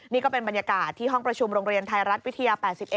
นี่ก็เป็นบรรยากาศที่ห้องประชุมโรงเรียนไทยรัฐวิทยา๘๑